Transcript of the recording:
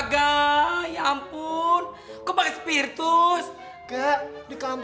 nah prestasi ini hari ini mirip kayak si nama